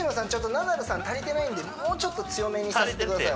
ナダルさん足りてないんでもうちょっと強めにさすってください